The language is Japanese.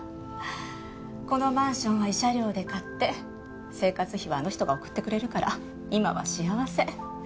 このマンションは慰謝料で買って生活費はあの人が送ってくれるから今は幸せ。